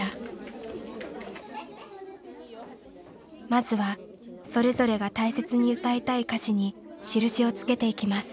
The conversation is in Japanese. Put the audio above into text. まずはそれぞれが大切に歌いたい歌詞に印をつけていきます。